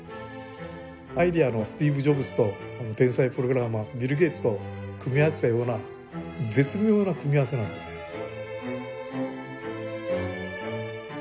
アイデアのスティーブ・ジョブズと天才プログラマービル・ゲイツとを組み合わせたような絶妙な組み合わせなんですよ。